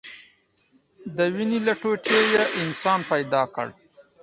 د وينې له ټوټې يې انسان پيدا كړ.